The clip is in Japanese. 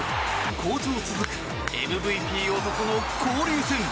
好調続くＭＶＰ男の交流戦。